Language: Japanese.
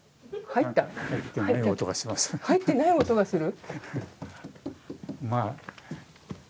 入ってない音がする？